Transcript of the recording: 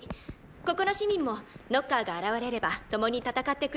ここの市民もノッカーが現れれば共に戦ってくれるでしょう。